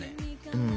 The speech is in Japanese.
うん。